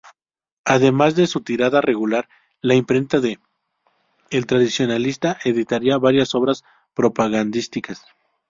Además de su tirada regular, la imprenta de "El Tradicionalista" editaría varias obras propagandísticas.